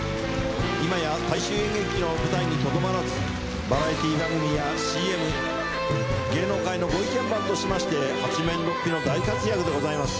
今や大衆演劇の舞台にとどまらずバラエティー番組やＣＭ芸能界のご意見番としまして八面六臂の大活躍でございます。